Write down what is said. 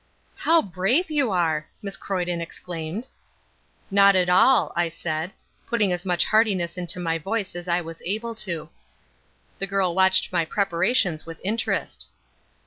"How brave you are!" Miss Croyden exclaimed. "Not at all," I said, putting as much heartiness into my voice as I was able to. The girl watched my preparations with interest.